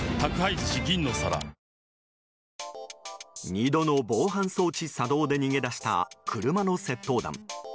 ２度の防犯装置作動で逃げ出した、車の窃盗団。